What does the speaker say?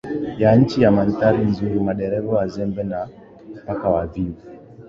ya nchi ya mandhari nzuri madereva wazembe na paka wavivu